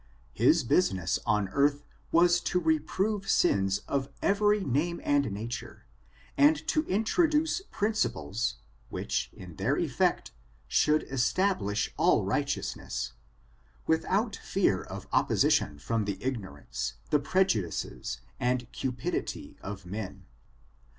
His business on earth was to reprove sins of every name and na* ture, and to introduce principles, which, in their ef fect, should establish all righteousness, without fear of opposition from the ignorance, the prejudices and cupidity of men.